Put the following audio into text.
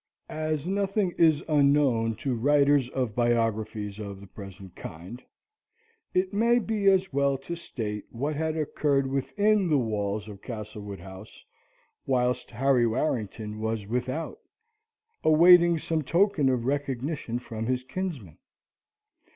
As nothing is unknown to writers of biographies of the present kind, it may be as well to state what had occurred within the walls of Castlewood House, whilst Harry Warrington was without, awaiting some token of recognition from his kinsmen.